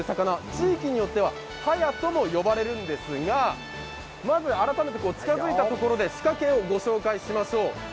地域によってはハヤとも呼ばれるんですが、まず改めて近づいたところで仕掛けを御紹介しましょう。